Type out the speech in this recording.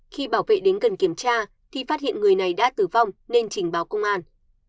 khi bảo vệ đến gần kiểm tra thì phát hiện người này đã tử vong nên trình báo công an